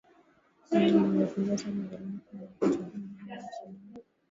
Wanyama walioambukizwa huendelea kuwa na ugonjwa huu mwilini maishani mwao na ndio huambukiza wengine